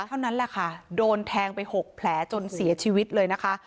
เท่านั้นแหละค่ะโดนแทงไปหกแผลจนเสียชีวิตเลยนะคะ